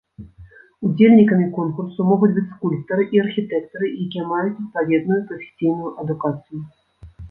Удзельнікамі конкурсу могуць быць скульптары і архітэктары, якія маюць адпаведную прафесійную адукацыю.